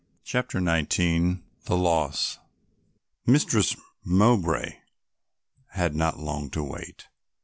CHAPTER XIX THE LOSS Mistress Mowbray had not long to wait.